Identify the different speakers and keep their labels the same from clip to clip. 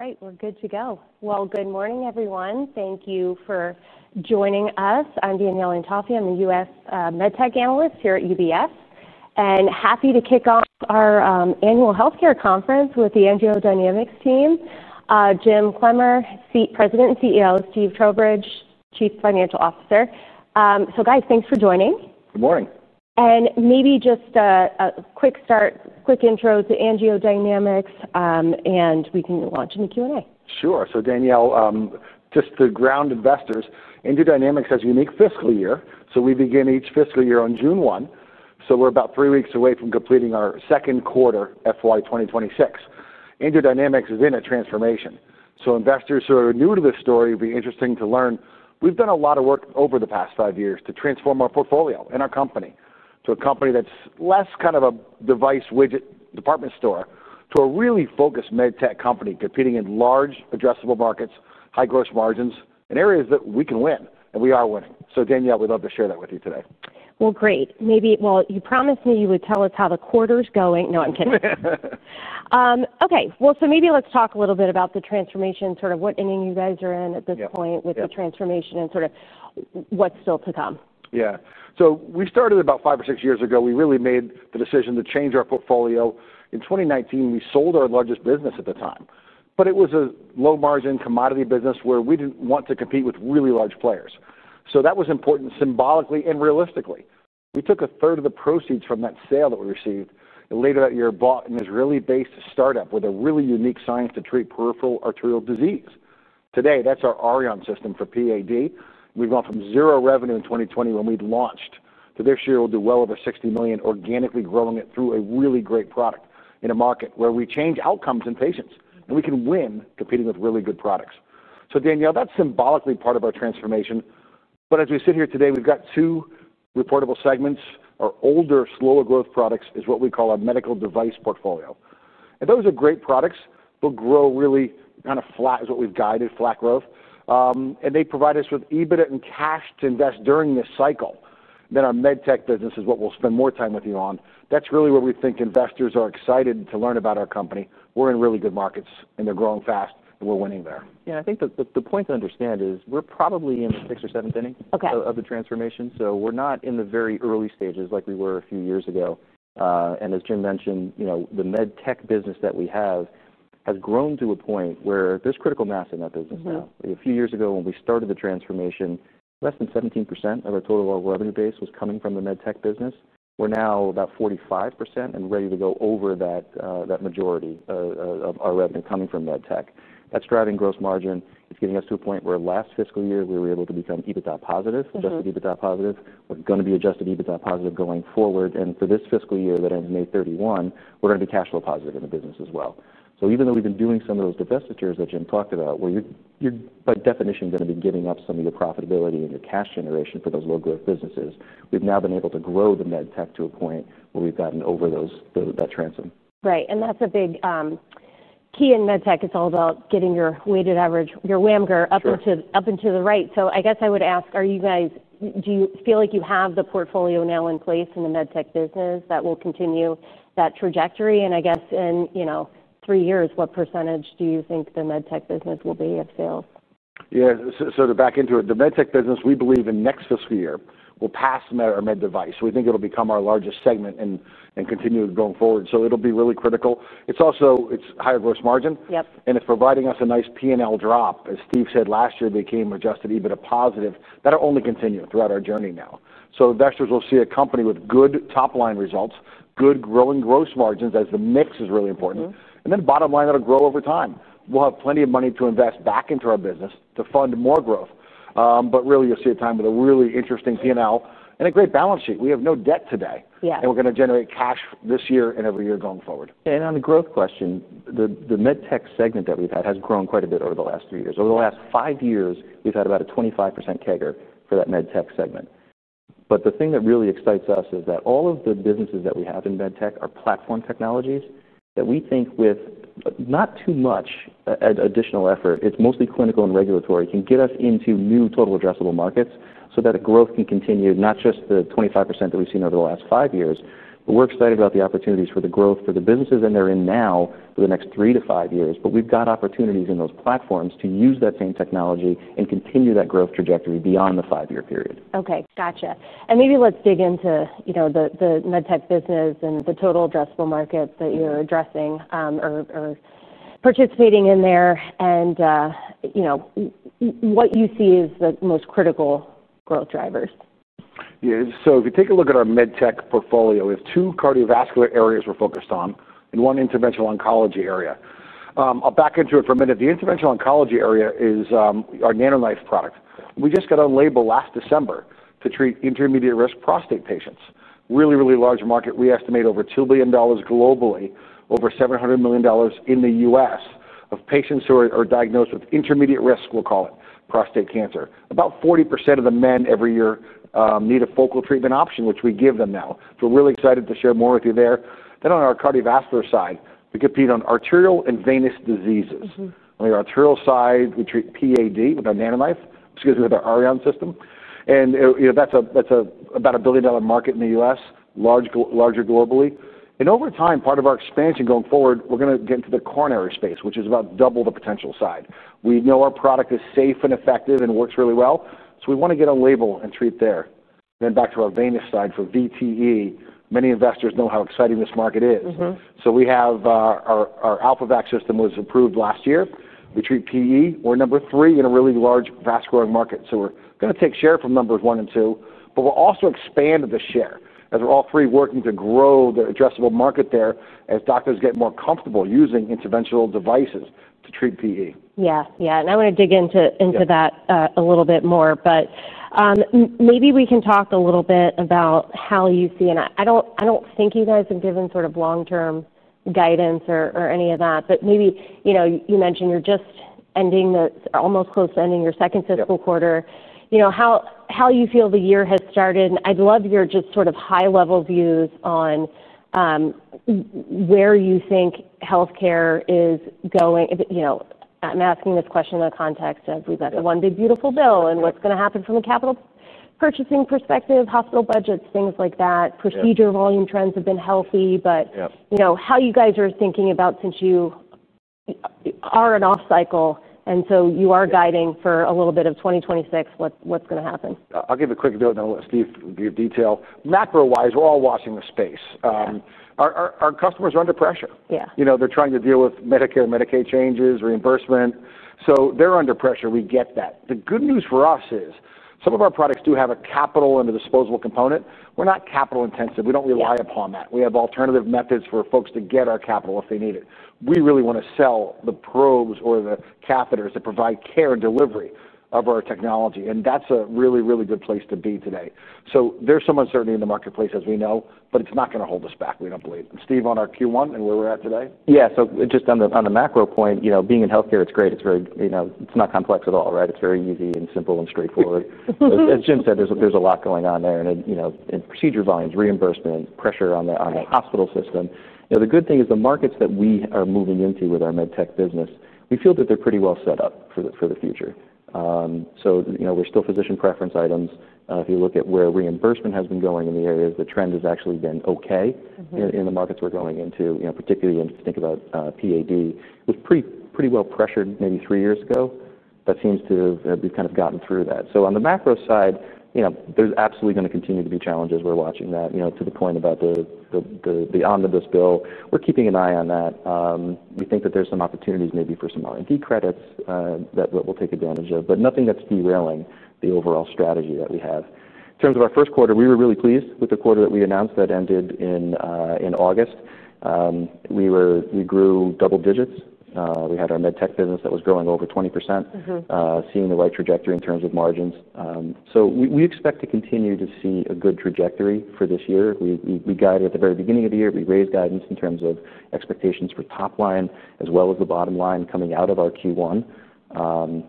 Speaker 1: All right, we're good to go. Good morning, everyone. Thank you for joining us. I'm Danielle Intoffio. I'm a U.S. MedTech analyst here at UBS, and happy to kick off our annual healthcare conference with the AngioDynamics team, Jim Clemmer, President and CEO, Steve Trowbridge, Chief Financial Officer. Guys, thanks for joining.
Speaker 2: Good morning.
Speaker 1: Maybe just a quick start, quick intro to AngioDynamics, and we can launch into Q&A.
Speaker 2: Sure. Danielle, just the ground investors, AngioDynamics has a unique fiscal year. We begin each fiscal year on June 1. We're about three weeks away from completing our second quarter, FY 2026. AngioDynamics is in a transformation. Investors who are new to this story would be interesting to learn. We've done a lot of work over the past five years to transform our portfolio and our company to a company that's less kind of a device widget department store to a really focused MedTech company competing in large addressable markets, high gross margins, and areas that we can win, and we are winning. Danielle, we'd love to share that with you today.
Speaker 1: Great. Maybe, well, you promised me you would tell us how the quarter's going. No, I'm kidding. Okay. Maybe let's talk a little bit about the transformation, sort of what ending you guys are in at this point with the transformation and sort of what's still to come.
Speaker 2: Yeah. So we started about five or six years ago. We really made the decision to change our portfolio. In 2019, we sold our largest business at the time, but it was a low-margin commodity business where we did not want to compete with really large players. That was important symbolically and realistically. We took a third of the proceeds from that sale that we received and later that year bought an Israeli-based startup with a really unique science to treat peripheral arterial disease. Today, that is our Arion system for PAD. We have gone from zero revenue in 2020 when we launched to this year we will do well over $60 million, organically growing it through a really great product in a market where we change outcomes in patients, and we can win competing with really good products. Danielle, that is symbolically part of our transformation. As we sit here today, we've got two reportable segments. Our older, slower growth products is what we call our medical device portfolio. And those are great products. They'll grow really kind of flat is what we've guided, flat growth. They provide us with EBITDA and cash to invest during this cycle. Our MedTech business is what we'll spend more time with you on. That's really where we think investors are excited to learn about our company. We're in really good markets, and they're growing fast, and we're winning there.
Speaker 3: Yeah. I think the point to understand is we're probably in the sixth or seventh inning of the transformation. We're not in the very early stages like we were a few years ago. As Jim mentioned, the MedTech business that we have has grown to a point where there's critical mass in that business now. A few years ago when we started the transformation, less than 17% of our total revenue base was coming from the MedTech business. We're now about 45% and ready to go over that majority of our revenue coming from MedTech. That's driving gross margin. It's getting us to a point where last fiscal year we were able to become EBITDA positive, Adjusted EBITDA positive. We're going to be Adjusted EBITDA positive going forward. For this fiscal year that ends May 31, we're going to be cash flow positive in the business as well. Even though we've been doing some of those divestitures that Jim talked about, where you're by definition going to be giving up some of your profitability and your cash generation for those low-growth businesses, we've now been able to grow the MedTech to a point where we've gotten over that transom.
Speaker 1: Right. That is a big key in MedTech. It is all about getting your weighted average, your WAMGER, up into the right. I guess I would ask, do you feel like you have the portfolio now in place in the MedTech business that will continue that trajectory? I guess in three years, what % do you think the MedTech business will be of sales?
Speaker 2: Yeah. To back into it, the MedTech business, we believe in next fiscal year will pass Med or Med Device. We think it'll become our largest segment and continue going forward. It will be really critical. It is also higher gross margin, and it is providing us a nice P&L drop. As Steve said last year, they came Adjusted EBITDA positive. That will only continue throughout our journey now. Investors will see a company with good top-line results, good growing gross margins as the mix is really important. Then bottom line, it will grow over time. We will have plenty of money to invest back into our business to fund more growth. Really, you will see a time with a really interesting P&L and a great balance sheet. We have no debt today, and we are going to generate cash this year and every year going forward.
Speaker 3: On the growth question, the MedTech segment that we've had has grown quite a bit over the last three years. Over the last five years, we've had about a 25% CAGR for that MedTech segment. The thing that really excites us is that all of the businesses that we have in MedTech are platform technologies that we think with not too much additional effort, it's mostly clinical and regulatory, can get us into new total addressable markets so that the growth can continue, not just the 25% that we've seen over the last five years. We're excited about the opportunities for the growth for the businesses that they're in now for the next three to five years. We've got opportunities in those platforms to use that same technology and continue that growth trajectory beyond the five-year period.
Speaker 1: Okay. Gotcha. Maybe let's dig into the MedTech business and the total addressable market that you're addressing or participating in there and what you see as the most critical growth drivers.
Speaker 2: Yeah. If you take a look at our MedTech portfolio, we have two cardiovascular areas we're focused on and one interventional oncology area. I'll back into it for a minute. The interventional oncology area is our NanoKnife product. We just got a label last December to treat intermediate-risk prostate patients. Really, really large market. We estimate over $2 billion globally, over $700 million in the U.S. of patients who are diagnosed with intermediate risk, we'll call it, prostate cancer. About 40% of the men every year need a focal treatment option, which we give them now. We're really excited to share more with you there. On our cardiovascular side, we compete on arterial and venous diseases. On the arterial side, we treat PAD with our NanoKnife, which gives you the Arion system. That's about a $1 billion market in the U.S., larger globally. Over time, part of our expansion going forward, we're going to get into the coronary space, which is about double the potential size. We know our product is safe and effective and works really well. We want to get a label and treat there. Back to our venous side for VTE, many investors know how exciting this market is. We have our AlphaVac system, which was approved last year. We treat PE. We're number three in a really large, fast-growing market. We're going to take share from number one and two, but we'll also expand the share as we're all three working to grow the addressable market there as doctors get more comfortable using interventional devices to treat PE.
Speaker 1: Yeah. Yeah. I want to dig into that a little bit more. Maybe we can talk a little bit about how you see it. I do not think you guys have given sort of long-term guidance or any of that, but maybe you mentioned you are just ending the almost close to ending your second fiscal quarter. How you feel the year has started? I would love your just sort of high-level views on where you think healthcare is going. I am asking this question in the context of we have got the one big beautiful bill, and what is going to happen from a capital purchasing perspective, hospital budgets, things like that. Procedure volume trends have been healthy, but how you guys are thinking about since you are an off-cycle, and so you are guiding for a little bit of 2026, what is going to happen?
Speaker 2: I'll give a quick note and then let Steve give detail. Macro-wise, we're all watching the space. Our customers are under pressure. They're trying to deal with Medicare and Medicaid changes, reimbursement. They're under pressure. We get that. The good news for us is some of our products do have a capital and a disposable component. We're not capital-intensive. We don't rely upon that. We have alternative methods for folks to get our capital if they need it. We really want to sell the probes or the catheters that provide care and delivery of our technology. That's a really, really good place to be today. There's some uncertainty in the marketplace, as we know, but it's not going to hold us back. We don't believe it. Steve, on our Q1 and where we're at today?
Speaker 3: Yeah. Just on the macro point, being in healthcare, it's great. It's not complex at all, right? It's very easy and simple and straightforward. As Jim said, there's a lot going on there. In procedure volumes, reimbursement, pressure on the hospital system. The good thing is the markets that we are moving into with our MedTech business, we feel that they're pretty well set up for the future. We're still physician preference items. If you look at where reimbursement has been going in the areas, the trend has actually been okay in the markets we're going into, particularly if you think about PAD, was pretty well pressured maybe three years ago. That seems to have kind of gotten through that. On the macro side, there's absolutely going to continue to be challenges. We're watching that to the point about the omnibus bill. We're keeping an eye on that. We think that there's some opportunities maybe for some R&D credits that we'll take advantage of, but nothing that's derailing the overall strategy that we have. In terms of our first quarter, we were really pleased with the quarter that we announced that ended in August. We grew double digits. We had our MedTech business that was growing over 20%, seeing the right trajectory in terms of margins. We expect to continue to see a good trajectory for this year. We guided at the very beginning of the year. We raised guidance in terms of expectations for top line as well as the bottom line coming out of our Q1,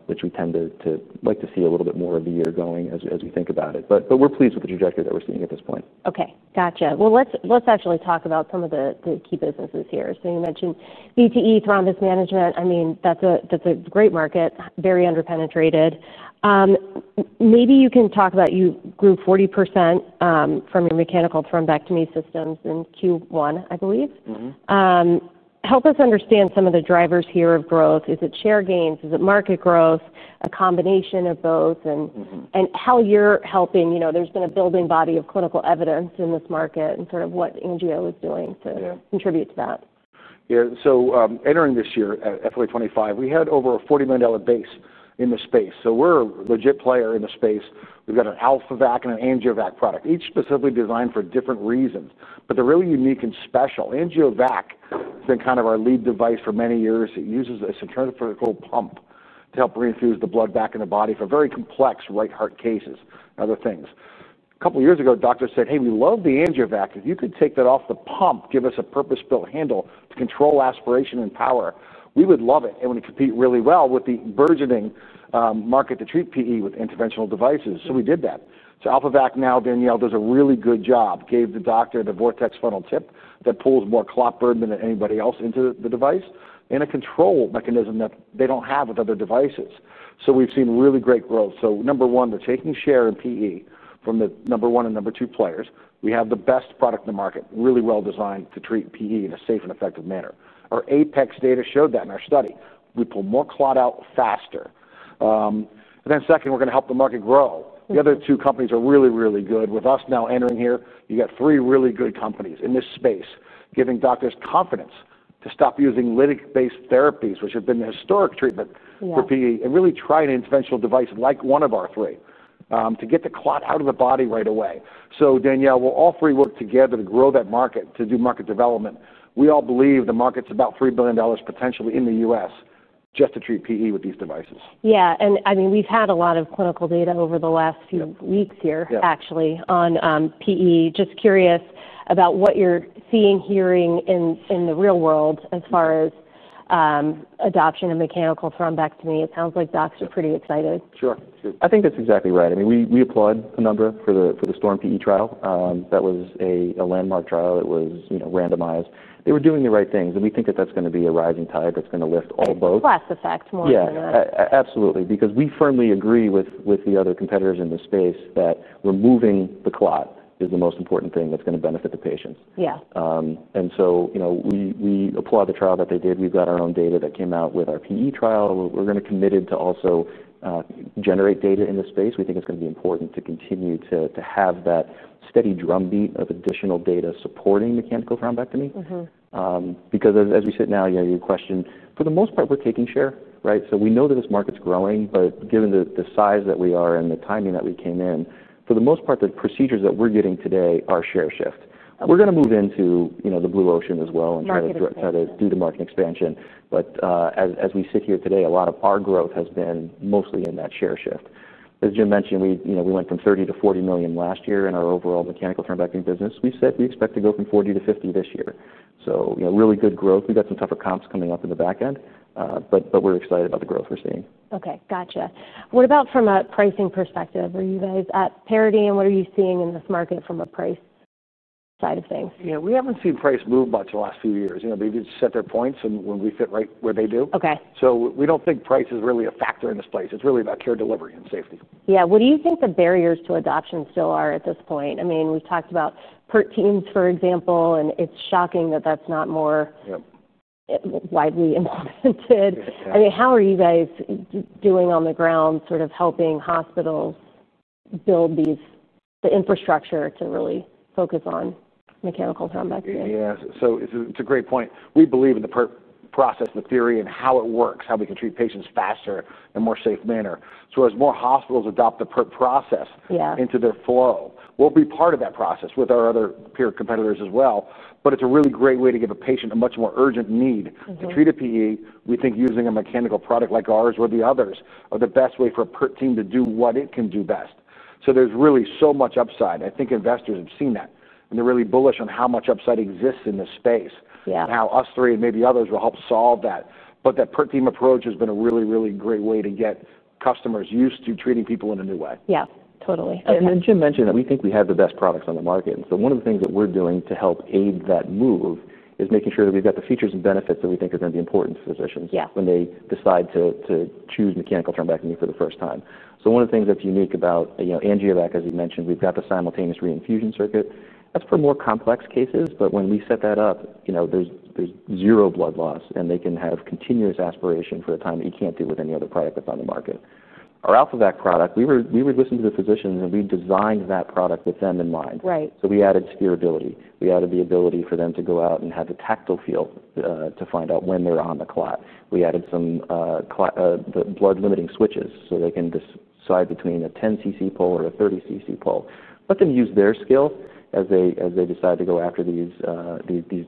Speaker 3: which we tend to like to see a little bit more of the year going as we think about it. We're pleased with the trajectory that we're seeing at this point.
Speaker 1: Okay. Gotcha. Let's actually talk about some of the key businesses here. You mentioned VTE, thrombus management. I mean, that's a great market, very underpenetrated. Maybe you can talk about you grew 40% from your mechanical thrombectomy systems in Q1, I believe. Help us understand some of the drivers here of growth. Is it share gains? Is it market growth? A combination of both? How you're helping? There's been a building body of clinical evidence in this market and sort of what Angio is doing to contribute to that.
Speaker 2: Yeah. Entering this year at FY 2025, we had over a $40 million base in the space. We're a legit player in the space. We've got an AlphaVac and an AngioVac product, each specifically designed for different reasons, but they're really unique and special. AngioVac has been kind of our lead device for many years. It uses a centrifugal pump to help reinfuse the blood back in the body for very complex right heart cases and other things. A couple of years ago, doctors said, "Hey, we love the AngioVac. If you could take that off the pump, give us a purpose-built handle to control aspiration and power, we would love it." We compete really well with the burgeoning market to treat PE with interventional devices. We did that. AlphaVac now, Danielle, does a really good job, gave the doctor the Vortex funnel tip that pulls more clot burden than anybody else into the device. A control mechanism that they do not have with other devices. We have seen really great growth. Number one, we are taking share in PE from the number one and number two players. We have the best product in the market, really well designed to treat PE in a safe and effective manner. Our apex data showed that in our study. We pull more clot out faster. Second, we are going to help the market grow. The other two companies are really, really good. With us now entering here, you got three really good companies in this space, giving doctors confidence to stop using lytic-based therapies, which have been the historic treatment for PE, and really try an interventional device like one of our three to get the clot out of the body right away. Danielle, we'll all three work together to grow that market, to do market development. We all believe the market's about $3 billion potentially in the U.S. just to treat PE with these devices.
Speaker 1: Yeah. I mean, we've had a lot of clinical data over the last few weeks here, actually, on PE. Just curious about what you're seeing, hearing in the real world as far as adoption of mechanical thrombectomy. It sounds like docs are pretty excited.
Speaker 2: Sure. I think that's exactly right. I mean, we applaud Penumbra for the Storm PE trial. That was a landmark trial that was randomized. They were doing the right things. I mean, we think that that's going to be a rising tide that's going to lift all boats.
Speaker 1: A class effect more than that.
Speaker 2: Yeah. Absolutely. Because we firmly agree with the other competitors in the space that removing the clot is the most important thing that's going to benefit the patients. We applaud the trial that they did. We've got our own data that came out with our PE trial. We're going to be committed to also generate data in this space. We think it's going to be important to continue to have that steady drumbeat of additional data supporting mechanical thrombectomy. Because as we sit now, your question, for the most part, we're taking share, right? We know that this market's growing, but given the size that we are and the timing that we came in, for the most part, the procedures that we're getting today are share shift. We're going to move into the blue ocean as well and try to do the market expansion. As we sit here today, a lot of our growth has been mostly in that share shift. As Jim mentioned, we went from $30 million to $40 million last year in our overall mechanical thrombectomy business. We said we expect to go from $40 million to $50 million this year. Really good growth. We've got some tougher comps coming up in the back end, but we're excited about the growth we're seeing.
Speaker 1: Okay. Gotcha. What about from a pricing perspective? Are you guys at parity, and what are you seeing in this market from a price side of things?
Speaker 2: Yeah. We haven't seen price move much in the last few years. They've just set their points and we fit right where they do. So we don't think price is really a factor in this place. It's really about care delivery and safety.
Speaker 1: Yeah. What do you think the barriers to adoption still are at this point? I mean, we've talked about per teams, for example, and it's shocking that that's not more widely implemented. I mean, how are you guys doing on the ground sort of helping hospitals build the infrastructure to really focus on mechanical thrombectomy?
Speaker 2: Yeah. It's a great point. We believe in the per process, the theory, and how it works, how we can treat patients faster in a more safe manner. As more hospitals adopt the per process into their flow, we'll be part of that process with our other peer competitors as well. It's a really great way to give a patient a much more urgent need to treat a PE. We think using a mechanical product like ours or the others are the best way for a per team to do what it can do best. There's really so much upside. I think investors have seen that, and they're really bullish on how much upside exists in this space and how us three and maybe others will help solve that. That per team approach has been a really, really great way to get customers used to treating people in a new way.
Speaker 1: Yeah. Totally.
Speaker 3: Jim mentioned that we think we have the best products on the market. One of the things that we are doing to help aid that move is making sure that we have the features and benefits that we think are going to be important to physicians when they decide to choose mechanical thrombectomy for the first time. One of the things that is unique about AngioVac, as you mentioned, is that we have the simultaneous reinfusion circuit. That is for more complex cases, but when we set that up, there is zero blood loss, and they can have continuous aspiration for a time that you cannot do with any other product that is on the market. Our AlphaVac product, we would listen to the physicians, and we designed that product with them in mind. We added spherability. We added the ability for them to go out and have the tactile feel to find out when they're on the clot. We added some blood-limiting switches so they can decide between a 10 cc pull or a 30 cc pull. Let them use their skill as they decide to go after these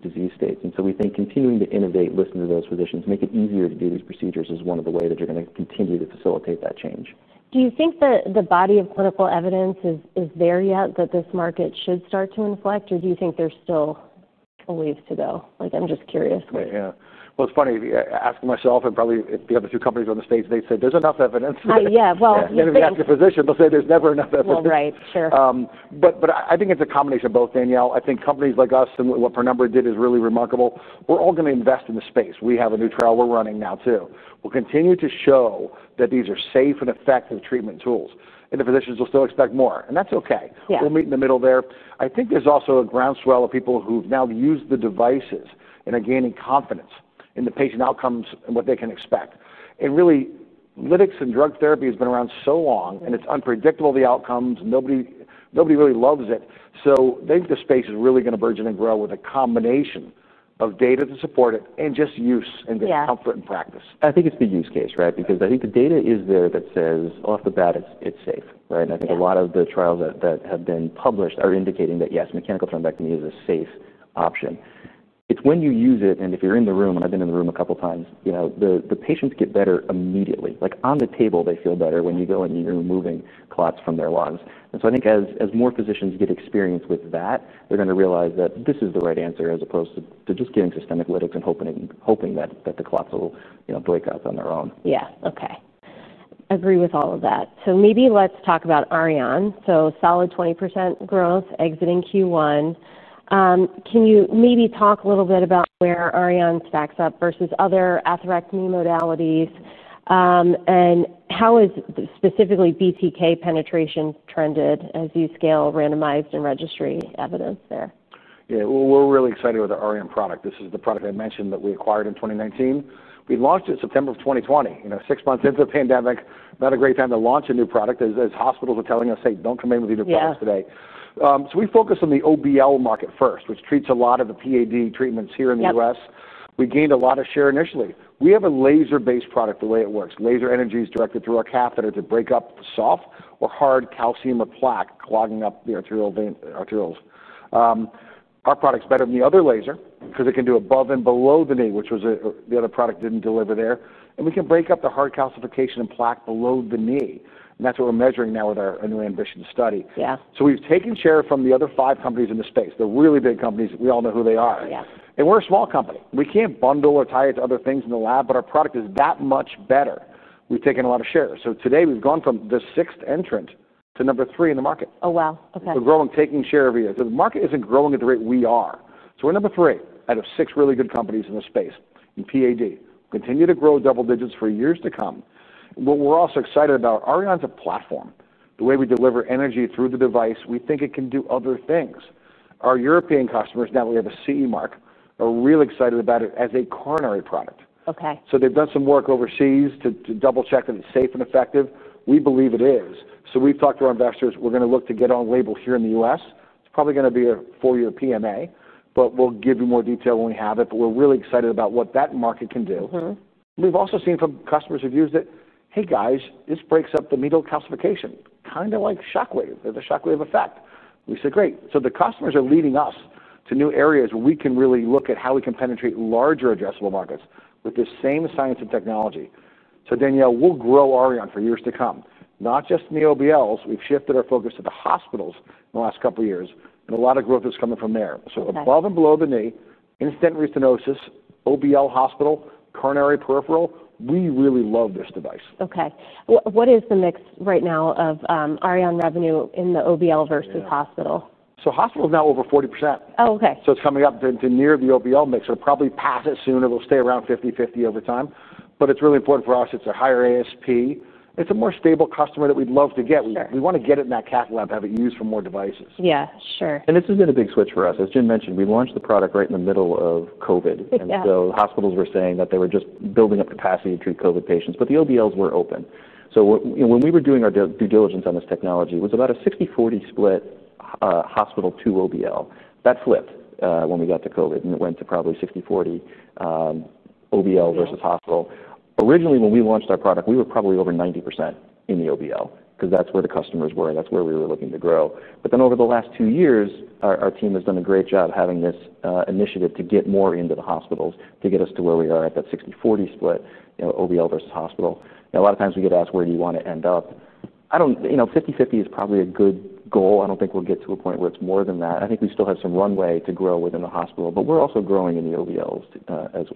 Speaker 3: disease states. We think continuing to innovate, listen to those physicians, make it easier to do these procedures is one of the ways that you're going to continue to facilitate that change.
Speaker 1: Do you think the body of clinical evidence is there yet that this market should start to inflect, or do you think there's still a ways to go? I'm just curious.
Speaker 2: Yeah. It's funny. Asking myself and probably the other two companies on the stage, they said, "There's enough evidence.
Speaker 1: Yeah. You know.
Speaker 2: If you ask a physician, they'll say, "There's never enough evidence.
Speaker 1: Sure.
Speaker 2: I think it's a combination of both, Danielle. I think companies like us and what Penumbra did is really remarkable. We're all going to invest in the space. We have a new trial we're running now too. We'll continue to show that these are safe and effective treatment tools, and the physicians will still expect more. That's okay. We'll meet in the middle there. I think there's also a groundswell of people who've now used the devices and are gaining confidence in the patient outcomes and what they can expect. Really, lytics and drug therapy has been around so long, and it's unpredictable, the outcomes. Nobody really loves it. I think the space is really going to burgeon and grow with a combination of data to support it and just use and just comfort and practice.
Speaker 3: I think it's the use case, right? Because I think the data is there that says off the bat, it's safe, right? I think a lot of the trials that have been published are indicating that, yes, mechanical thrombectomy is a safe option. It's when you use it, and if you're in the room, and I've been in the room a couple of times, the patients get better immediately. On the table, they feel better when you go in, and you're removing clots from their lungs. I think as more physicians get experience with that, they're going to realize that this is the right answer as opposed to just getting systemic lytics and hoping that the clots will break out on their own.
Speaker 1: Yeah. Okay. Agree with all of that. Maybe let's talk about Arion. Solid 20% growth exiting Q1. Can you maybe talk a little bit about where Arion stacks up versus other atherectomy modalities? How has specifically BTK penetration trended as you scale randomized and registry evidence there?
Speaker 2: Yeah. We're really excited with the Arion product. This is the product I mentioned that we acquired in 2019. We launched it in September of 2020. Six months into the pandemic, not a great time to launch a new product as hospitals are telling us, "Hey, don't come in with either product today." We focused on the OBL market first, which treats a lot of the PAD treatments here in the U.S. We gained a lot of share initially. We have a laser-based product the way it works. Laser energy is directed through our catheter to break up soft or hard calcium or plaque clogging up the arterial veins. Our product's better than the other laser because it can do above and below the knee, which was the other product didn't deliver there. We can break up the hard calcification and plaque below the knee. That's what we're measuring now with our New Ambition study. We've taken share from the other five companies in the space. They're really big companies. We all know who they are. We're a small company. We can't bundle or tie it to other things in the lab, but our product is that much better. We've taken a lot of share. Today, we've gone from the sixth entrant to number three in the market.
Speaker 1: Oh, wow. Okay.
Speaker 2: We're growing, taking share every year. The market isn't growing at the rate we are. We're number three out of six really good companies in the space in PAD. Continue to grow double digits for years to come. What we're also excited about, Arion's a platform. The way we deliver energy through the device, we think it can do other things. Our European customers now that we have a CE mark are really excited about it as a coronary product. They've done some work overseas to double-check that it's safe and effective. We believe it is. We've talked to our investors. We're going to look to get on label here in the U.S. It's probably going to be a four-year PMA, but we'll give you more detail when we have it. We're really excited about what that market can do. We've also seen from customers who've used it, "Hey, guys, this breaks up the medial calcification, kind of like Shockwave. There's a shockwave effect." We said, "Great." The customers are leading us to new areas where we can really look at how we can penetrate larger addressable markets with the same science and technology. Danielle, we'll grow Arion for years to come, not just in the OBLs. We've shifted our focus to the hospitals in the last couple of years, and a lot of growth is coming from there. Above and below the knee, instant restenosis, OBL hospital, coronary peripheral, we really love this device.
Speaker 1: Okay. What is the mix right now of Arion revenue in the OBL versus hospital?
Speaker 2: Hospital is now over 40%. It is coming up to near the OBL mix. It will probably pass it soon. It will stay around 50/50 over time. It is really important for us. It is a higher ASP. It is a more stable customer that we would love to get. We want to get it in that cath lab, have it used for more devices.
Speaker 1: Yeah. Sure.
Speaker 3: This has been a big switch for us. As Jim mentioned, we launched the product right in the middle of COVID. Hospitals were saying that they were just building up capacity to treat COVID patients, but the OBLs were open. When we were doing our due diligence on this technology, it was about a 60/40 split hospital to OBL. That flipped when we got to COVID, and it went to probably 60/40 OBL versus hospital. Originally, when we launched our product, we were probably over 90% in the OBL because that's where the customers were. That's where we were looking to grow. Over the last two years, our team has done a great job having this initiative to get more into the hospitals to get us to where we are at that 60/40 split, OBL versus hospital. A lot of times we get asked, "Where do you want to end up?" 50/50 is probably a good goal. I don't think we'll get to a point where it's more than that. I think we still have some runway to grow within the hospital, but we're also growing in the OBLs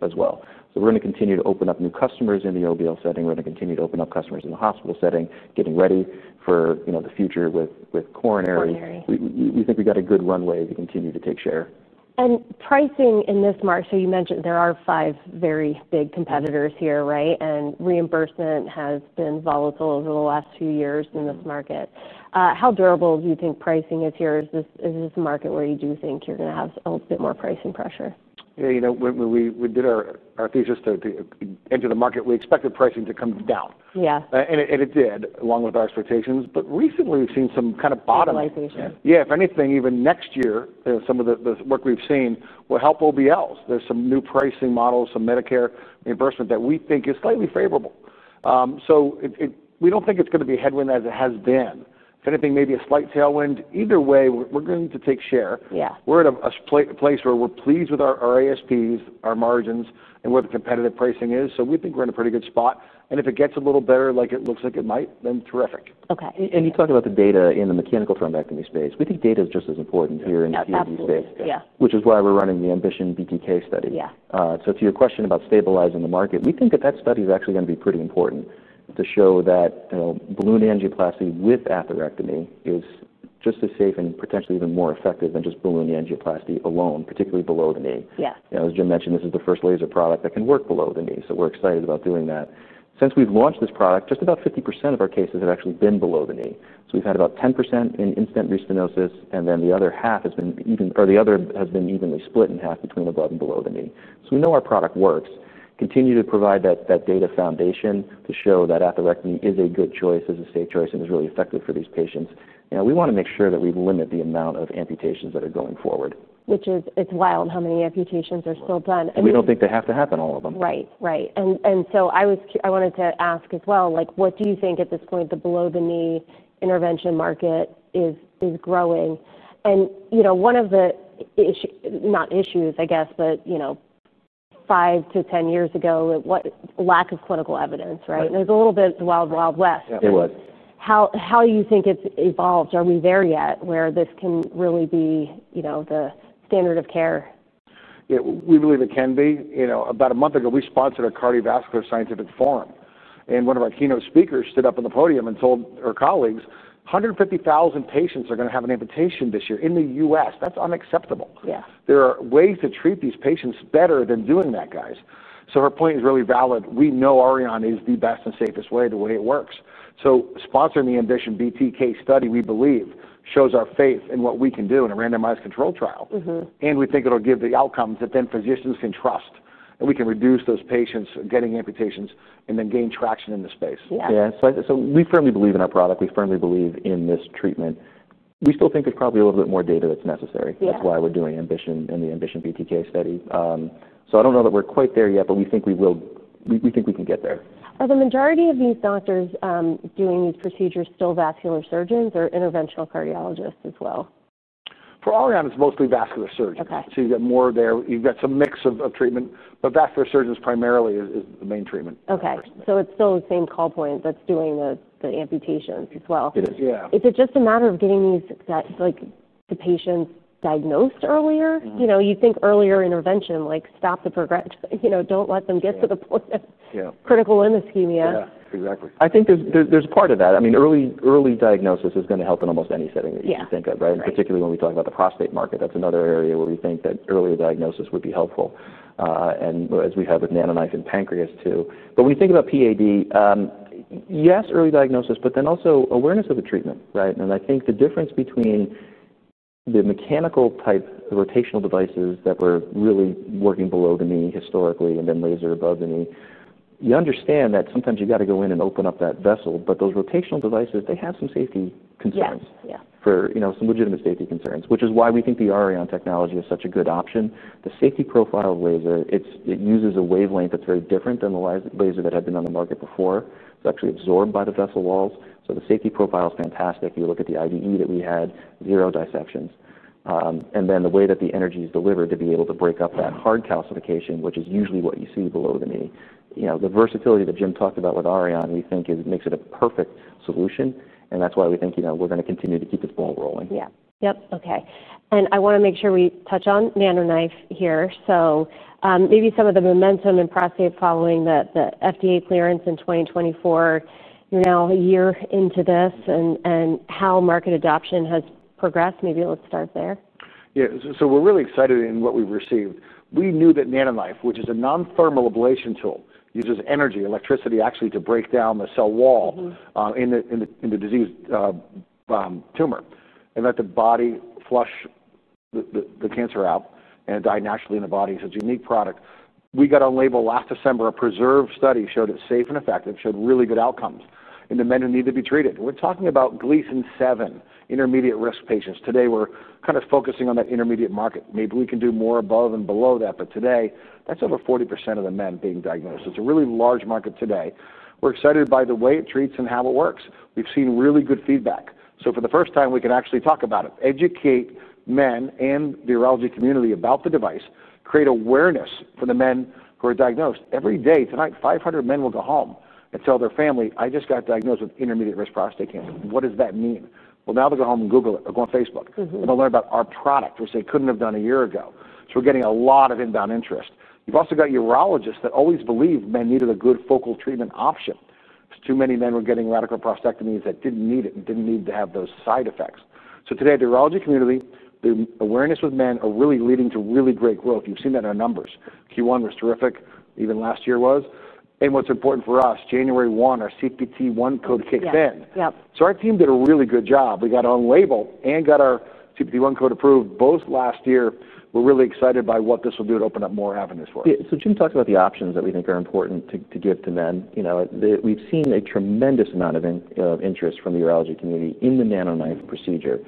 Speaker 3: as well. We are going to continue to open up new customers in the OBL setting. We are going to continue to open up customers in the hospital setting, getting ready for the future with coronary.
Speaker 1: Coronary.
Speaker 3: We think we've got a good runway to continue to take share.
Speaker 1: Pricing in this market, so you mentioned there are five very big competitors here, right? And reimbursement has been volatile over the last few years in this market. How durable do you think pricing is here? Is this a market where you do think you're going to have a little bit more pricing pressure?
Speaker 2: Yeah. When we did our thesis to enter the market, we expected pricing to come down. It did, along with our expectations. Recently, we've seen some kind of bottom.
Speaker 1: Stabilization.
Speaker 2: Yeah. If anything, even next year, some of the work we've seen will help OBLs. There's some new pricing models, some Medicare reimbursement that we think is slightly favorable. We don't think it's going to be a headwind as it has been. If anything, maybe a slight tailwind. Either way, we're going to take share. We're at a place where we're pleased with our ASPs, our margins, and where the competitive pricing is. We think we're in a pretty good spot. If it gets a little better, like it looks like it might, then terrific.
Speaker 3: You talked about the data in the mechanical thrombectomy space. We think data is just as important here in the PAD space, which is why we're running the Ambition BTK study. To your question about stabilizing the market, we think that that study is actually going to be pretty important to show that balloon angioplasty with atherectomy is just as safe and potentially even more effective than just balloon angioplasty alone, particularly below the knee. As Jim mentioned, this is the first laser product that can work below the knee. We're excited about doing that. Since we've launched this product, just about 50% of our cases have actually been below the knee. We've had about 10% in in-stent restenosis, and then the other half has been evenly split in half between above and below the knee. We know our product works. Continue to provide that data foundation to show that atherectomy is a good choice, is a safe choice, and is really effective for these patients. We want to make sure that we limit the amount of amputations that are going forward.
Speaker 1: Which is, it's wild how many amputations are still done.
Speaker 3: We do not think they have to happen, all of them.
Speaker 1: Right. Right. I wanted to ask as well, what do you think at this point the below-the-knee intervention market is growing? One of the issues, not issues, I guess, but five to ten years ago, lack of clinical evidence, right? There is a little bit of the wild, wild west.
Speaker 3: Yeah. There was.
Speaker 1: How do you think it's evolved? Are we there yet where this can really be the standard of care?
Speaker 2: Yeah. We believe it can be. About a month ago, we sponsored a cardiovascular scientific forum, and one of our keynote speakers stood up on the podium and told her colleagues, "150,000 patients are going to have an amputation this year in the U.S. That's unacceptable. There are ways to treat these patients better than doing that, guys." Her point is really valid. We know Arion is the best and safest way the way it works. Sponsoring the Ambition BTK study, we believe, shows our faith in what we can do in a randomized control trial. We think it'll give the outcomes that then physicians can trust, and we can reduce those patients getting amputations and then gain traction in the space.
Speaker 3: Yeah. We firmly believe in our product. We firmly believe in this treatment. We still think there's probably a little bit more data that's necessary. That's why we're doing Ambition and the Ambition BTK study. I don't know that we're quite there yet, but we think we will. We think we can get there.
Speaker 1: Are the majority of these doctors doing these procedures still vascular surgeons or interventional cardiologists as well?
Speaker 2: For Arion, it's mostly vascular surgeons. You have more there. You have some mix of treatment, but vascular surgeons primarily is the main treatment.
Speaker 1: Okay. So it's still the same call point that's doing the amputations as well.
Speaker 2: Yeah.
Speaker 1: Is it just a matter of getting these patients diagnosed earlier? You think earlier intervention, like stop the progression, don't let them get to the point of critical limb ischemia?
Speaker 2: Exactly.
Speaker 3: I think there's part of that. I mean, early diagnosis is going to help in almost any setting that you can think of, right? Particularly when we talk about the prostate market, that's another area where we think that early diagnosis would be helpful, as we have with NanoKnife in pancreas too. When you think about PAD, yes, early diagnosis, but then also awareness of the treatment, right? I think the difference between the mechanical type rotational devices that were really working below the knee historically and then laser above the knee, you understand that sometimes you've got to go in and open up that vessel, but those rotational devices, they have some safety concerns for some legitimate safety concerns, which is why we think the Arion technology is such a good option. The safety profile of laser, it uses a wavelength that's very different than the laser that had been on the market before. It's actually absorbed by the vessel walls. So the safety profile is fantastic. You look at the IVE that we had, zero dissections. And then the way that the energy is delivered to be able to break up that hard calcification, which is usually what you see below the knee, the versatility that Jim talked about with Arion, we think makes it a perfect solution. That's why we think we're going to continue to keep the ball rolling.
Speaker 1: Yeah. Yep. Okay. I want to make sure we touch on NanoKnife here. Maybe some of the momentum in prostate following the FDA clearance in 2024. You're now a year into this, and how market adoption has progressed. Maybe let's start there.
Speaker 2: Yeah. So we're really excited in what we've received. We knew that NanoKnife, which is a non-thermal ablation tool, uses energy, electricity, actually, to break down the cell wall in the diseased tumor and let the body flush the cancer out and die naturally in the body. It's a unique product. We got on label last December. A preserved study showed it's safe and effective, showed really good outcomes in the men who need to be treated. We're talking about Gleason 7 intermediate risk patients. Today, we're kind of focusing on that intermediate market. Maybe we can do more above and below that, but today, that's over 40% of the men being diagnosed. It's a really large market today. We're excited by the way it treats and how it works. We've seen really good feedback. For the first time, we can actually talk about it, educate men and the urology community about the device, create awareness for the men who are diagnosed. Every day, tonight, 500 men will go home and tell their family, "I just got diagnosed with intermediate risk prostate cancer." What does that mean? Now they'll go home and Google it or go on Facebook. They'll learn about our product, which they couldn't have done a year ago. We're getting a lot of inbound interest. You've also got urologists that always believe men needed a good focal treatment option. Too many men were getting radical prostatectomies that didn't need it and didn't need to have those side effects. Today, the urology community, the awareness with men are really leading to really great growth. You've seen that in our numbers. Q1 was terrific. Even last year was. What's important for us, January 1, our CPT1 code kicked in. Our team did a really good job. We got on label and got our CPT1 code approved both last year. We're really excited by what this will do to open up more avenues for us.
Speaker 3: Jim talked about the options that we think are important to give to men. We've seen a tremendous amount of interest from the urology community in the NanoKnife procedure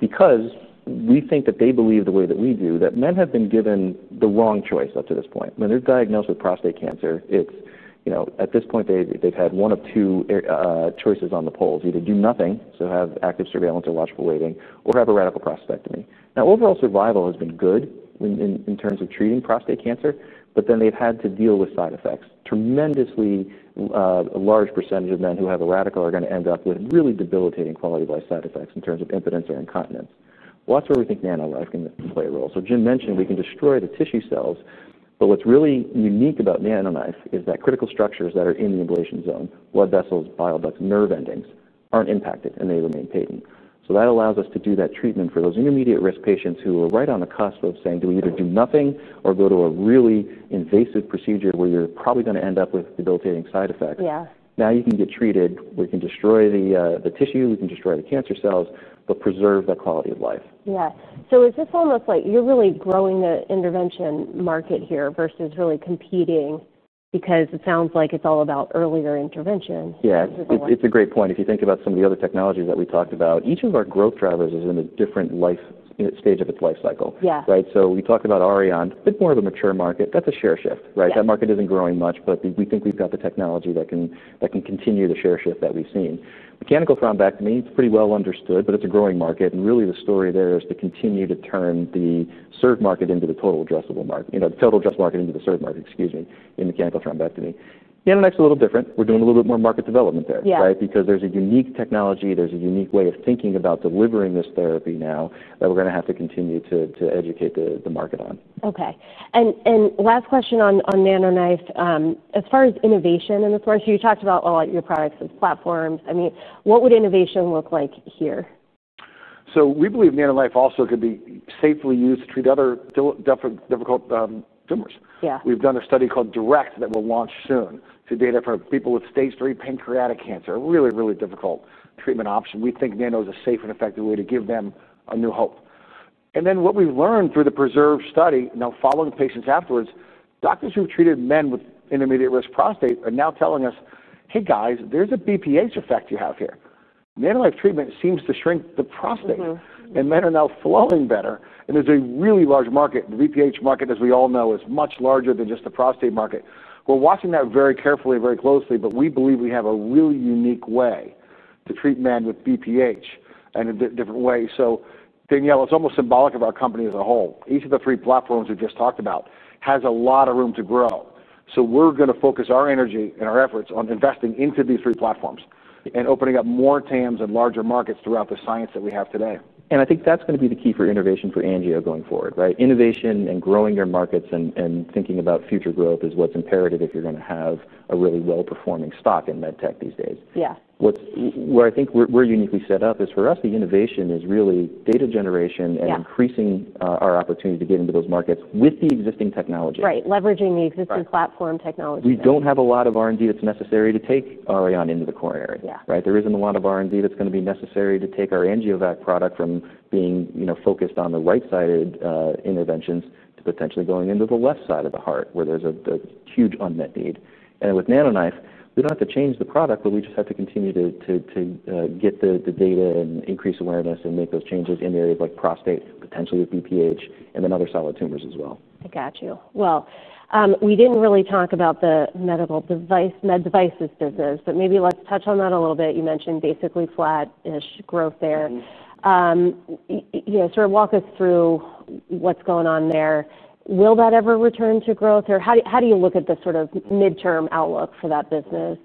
Speaker 3: because we think that they believe the way that we do that men have been given the wrong choice up to this point. When they're diagnosed with prostate cancer, at this point, they've had one of two choices on the polls: either do nothing, so have active surveillance or watchful waiting, or have a radical prostatectomy. Overall survival has been good in terms of treating prostate cancer, but then they've had to deal with side effects. A tremendously large percentage of men who have a radical are going to end up with really debilitating quality of life side effects in terms of impotence or incontinence. That's where we think NanoKnife can play a role. Jim mentioned we can destroy the tissue cells, but what's really unique about NanoKnife is that critical structures that are in the ablation zone, blood vessels, bile ducts, nerve endings, aren't impacted, and they remain patent. That allows us to do that treatment for those intermediate risk patients who are right on the cusp of saying, "Do we either do nothing or go to a really invasive procedure where you're probably going to end up with debilitating side effects?" Now you can get treated. We can destroy the tissue. We can destroy the cancer cells, but preserve that quality of life.
Speaker 1: Yeah. So is this almost like you're really growing the intervention market here versus really competing? Because it sounds like it's all about earlier intervention?
Speaker 3: Yeah. It's a great point. If you think about some of the other technologies that we talked about, each of our growth drivers is in a different stage of its life cycle, right? We talked about Arion. Bit more of a mature market. That's a share shift, right? That market isn't growing much, but we think we've got the technology that can continue the share shift that we've seen. Mechanical thrombectomy, it's pretty well understood, but it's a growing market. Really, the story there is to continue to turn the surge market into the total addressable market, the total addressable market into the surge market, excuse me, in mechanical thrombectomy. NanoKnife is a little different. We're doing a little bit more market development there, right? Because there's a unique technology. There's a unique way of thinking about delivering this therapy now that we're going to have to continue to educate the market on.
Speaker 1: Okay. Last question on NanoKnife. As far as innovation in this market, you talked about all your products as platforms. I mean, what would innovation look like here?
Speaker 2: We believe NanoKnife also could be safely used to treat other difficult tumors. We've done a study called DIRECT that we'll launch soon to data for people with stage III pancreatic cancer, a really, really difficult treatment option. We think Nano is a safe and effective way to give them a new hope. What we've learned through the PRESERVE study, now following patients afterwards, doctors who've treated men with intermediate risk prostate are now telling us, "Hey, guys, there's a BPH effect you have here. NanoKnife treatment seems to shrink the prostate, and men are now flowing better." There's a really large market. The BPH market, as we all know, is much larger than just the prostate market. We're watching that very carefully, very closely, but we believe we have a really unique way to treat men with BPH in a different way. Danielle, it's almost symbolic of our company as a whole. Each of the three platforms we just talked about has a lot of room to grow. We're going to focus our energy and our efforts on investing into these three platforms and opening up more TAMs and larger markets throughout the science that we have today.
Speaker 3: I think that's going to be the key for innovation for Angio going forward, right? Innovation and growing your markets and thinking about future growth is what's imperative if you're going to have a really well-performing stock in med tech these days. Where I think we're uniquely set up is for us, the innovation is really data generation and increasing our opportunity to get into those markets with the existing technology.
Speaker 1: Right. Leveraging the existing platform technology.
Speaker 3: We don't have a lot of R&D that's necessary to take Arion into the coronary, right? There isn't a lot of R&D that's going to be necessary to take our AngioVac product from being focused on the right-sided interventions to potentially going into the left side of the heart where there's a huge unmet need. With NanoKnife, we don't have to change the product, but we just have to continue to get the data and increase awareness and make those changes in areas like prostate, potentially with BPH, and then other solid tumors as well.
Speaker 1: I got you. We did not really talk about the med devices business, but maybe let's touch on that a little bit. You mentioned basically flat-ish growth there. Sort of walk us through what's going on there. Will that ever return to growth? Or how do you look at the sort of midterm outlook for that business?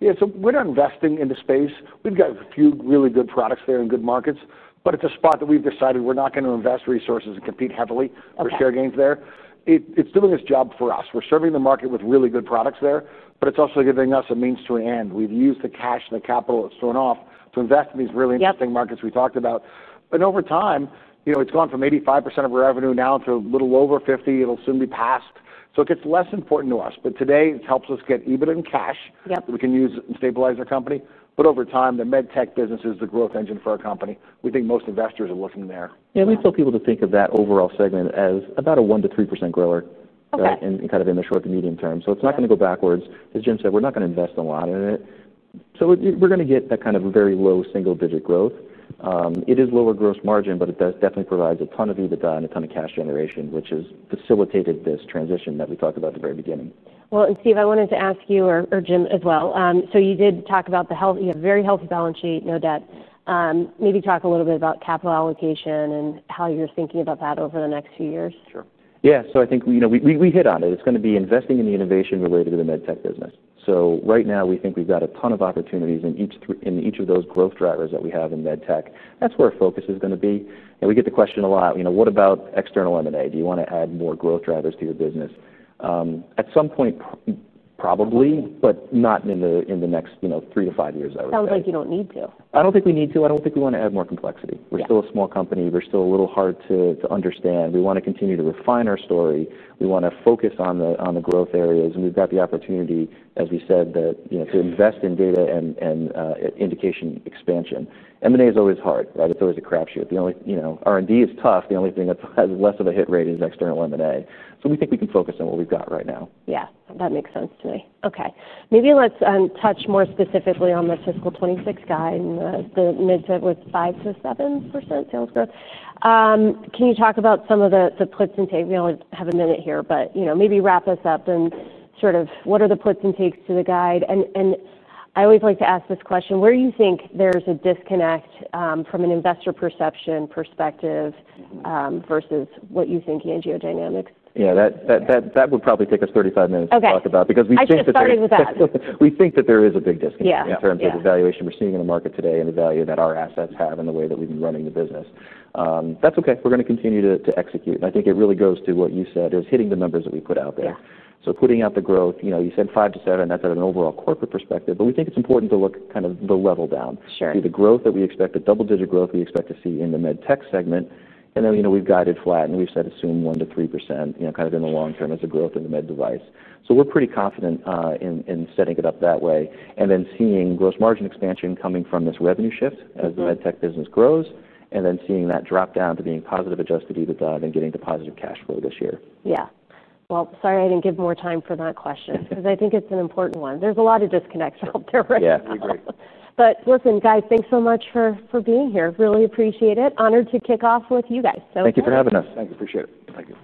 Speaker 2: Yeah. So we're not investing in the space. We've got a few really good products there in good markets, but it's a spot that we've decided we're not going to invest resources and compete heavily for share gains there. It's doing its job for us. We're serving the market with really good products there, but it's also giving us a means to an end. We've used the cash and the capital it's thrown off to invest in these really interesting markets we talked about. Over time, it's gone from 85% of our revenue now to a little over 50%. It'll soon be past. It gets less important to us. Today, it helps us get EBITDA and cash that we can use and stabilize our company. Over time, the med tech business is the growth engine for our company. We think most investors are looking there.
Speaker 3: Yeah. We tell people to think of that overall segment as about a 1-3% grower and kind of in the short to medium term. It is not going to go backwards. As Jim said, we are not going to invest a lot in it. We are going to get that kind of very low single-digit growth. It is lower gross margin, but it definitely provides a ton of EBITDA and a ton of cash generation, which has facilitated this transition that we talked about at the very beginning.
Speaker 1: Steve, I wanted to ask you or Jim as well. You did talk about the very healthy balance sheet, no debt. Maybe talk a little bit about capital allocation and how you're thinking about that over the next few years.
Speaker 3: Sure. Yeah. I think we hit on it. It's going to be investing in the innovation related to the med tech business. Right now, we think we've got a ton of opportunities in each of those growth drivers that we have in med tech. That's where our focus is going to be. We get the question a lot, "What about external M&A? Do you want to add more growth drivers to your business?" At some point, probably, but not in the next three to five years, I would say.
Speaker 1: Sounds like you don't need to.
Speaker 3: I don't think we need to. I don't think we want to add more complexity. We're still a small company. We're still a little hard to understand. We want to continue to refine our story. We want to focus on the growth areas. We've got the opportunity, as we said, to invest in data and indication expansion. M&A is always hard, right? It's always a crapshoot. R&D is tough. The only thing that has less of a hit rate is external M&A. We think we can focus on what we've got right now.
Speaker 1: Yeah. That makes sense to me. Okay. Maybe let's touch more specifically on the fiscal 2026 guide and the mid to 5-7% sales growth. Can you talk about some of the puts and takes? We only have a minute here, but maybe wrap us up in sort of what are the puts and takes to the guide? I always like to ask this question, where do you think there's a disconnect from an investor perception perspective versus what you think, AngioDynamics?
Speaker 3: Yeah. That would probably take us 35 minutes to talk about because we think that there is.
Speaker 1: Okay. I started with that.
Speaker 3: We think that there is a big disconnect in terms of the valuation we're seeing in the market today and the value that our assets have and the way that we've been running the business. That's okay. We're going to continue to execute. I think it really goes to what you said is hitting the numbers that we put out there. Putting out the growth, you said 5-7%. That's at an overall corporate perspective, but we think it's important to look kind of the level down, see the growth that we expect, the double-digit growth we expect to see in the med tech segment. Then we've guided flat, and we've said assume 1-3% kind of in the long term as a growth in the med device. We're pretty confident in setting it up that way and then seeing gross margin expansion coming from this revenue shift as the med tech business grows and then seeing that drop down to being positive Adjusted EBITDA and then getting to positive cash flow this year.
Speaker 1: Yeah. Sorry I didn't give more time for that question because I think it's an important one. There's a lot of disconnects out there.
Speaker 3: Yeah. We agree.
Speaker 1: Listen, guys, thanks so much for being here. Really appreciate it. Honored to kick off with you guys. Thank you.
Speaker 3: Thank you for having us.
Speaker 2: Thank you. Appreciate it. Thank you.